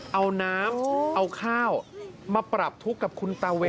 เอาน้ำเอาข้าวมาปรับทุกข์กับคุณตาเว